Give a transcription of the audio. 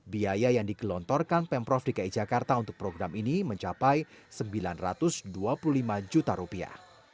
biaya yang digelontorkan pemprov dki jakarta untuk program ini mencapai sembilan ratus dua puluh lima juta rupiah